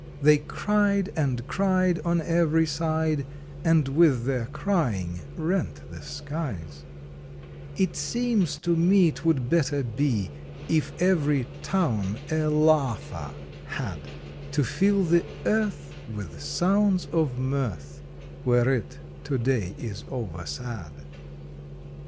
They cried and cried On every side, And with their crying rent the skies It seems to me Twould better be If every TOWN a LAUGHER had To fill the earth With sounds of mirth Where it to day is oversad.